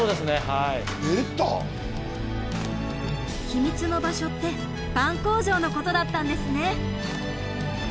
秘密の場所ってパン工場のことだったんですね。